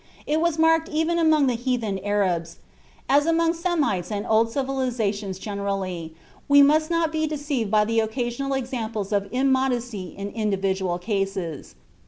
It was marked even among the heathen Arabs, as among Semites and old civilizations generally; we must not be deceived by the occasional examples of immodesty in individual cases.